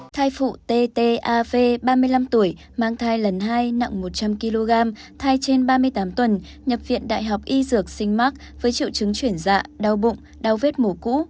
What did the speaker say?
thai phụ t av ba mươi năm tuổi mang thai lần hai nặng một trăm linh kg thai trên ba mươi tám tuần nhập viện đại học y dược sinh mắc với triệu chứng chuyển dạ đau bụng đau vết mổ cũ